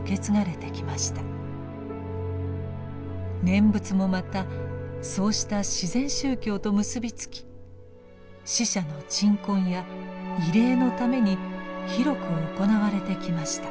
「念仏」もまたそうした自然宗教と結び付き死者の鎮魂や慰霊のために広く行われてきました。